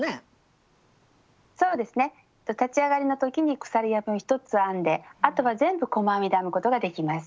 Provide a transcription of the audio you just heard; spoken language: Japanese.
そうですね立ち上がりの時に鎖編みを１つ編んであとは全部細編みで編むことができます。